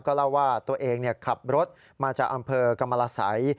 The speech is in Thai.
เล่าว่าตัวเองขับรถมาจากอำเภอกรรมรสัย